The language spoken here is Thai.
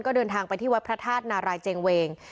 ก็เดินทางไปที่วัดพระธาตุนารายเจงเวง